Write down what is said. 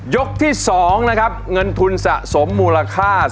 ยกที่๒นะครับเงินทุนสะสมมูลค่า